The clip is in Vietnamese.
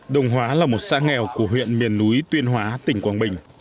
đồng hóa là một xã nghèo của huyện miền núi tuyên hóa tỉnh quảng bình